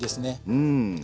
うん！